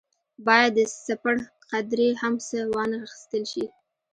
باید د سپڼ قدرې هم څه وانه اخیستل شي.